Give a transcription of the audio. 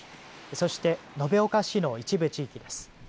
そして延岡市の一部地域です。